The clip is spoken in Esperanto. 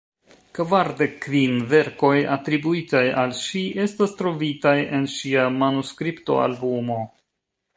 Kvardek kvin verkoj atribuitaj al ŝi estas trovitaj en ŝia manuskriptoalbumo.